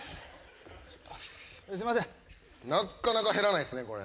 なかなか減らないですねこれ。